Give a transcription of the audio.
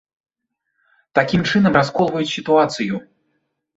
Такім чынам расколваюць сітуацыю.